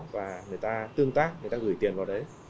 và người ta tương tác người ta gửi tiền vào đấy